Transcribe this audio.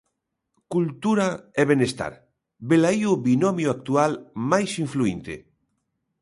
Cultura e benestar, velaí o binomio actual máis influínte.